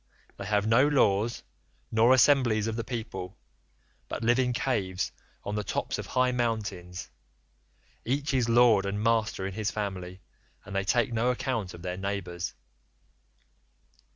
They have no laws nor assemblies of the people, but live in caves on the tops of high mountains; each is lord and master in his family, and they take no account of their neighbours.